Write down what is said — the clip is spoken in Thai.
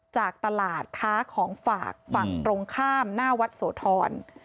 จากตลาดค้าของฝากฝั่งตรงข้ามหน้าวัดโสธร